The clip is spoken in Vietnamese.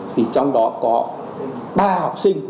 thì trong đó có ba học sinh